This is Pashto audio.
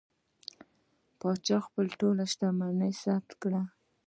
پاچا خپله ټوله شتمني ثبت کړه.